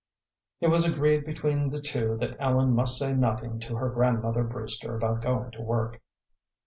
It was agreed between the two that Ellen must say nothing to her grandmother Brewster about going to work.